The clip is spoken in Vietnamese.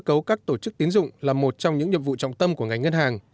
cơ cấu các tổ chức tín dụng là một trong những nhiệm vụ trọng tâm của ngành ngân hàng